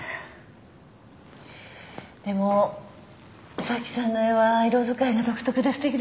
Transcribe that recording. でも沙希さんの絵は色使いが独特ですてきですよね。